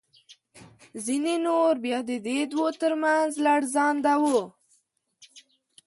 ځینې نور بیا د دې دوو تر منځ لړزانده وو.